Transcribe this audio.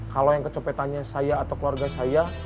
kalau yang kecopetannya saya atau keluarga saya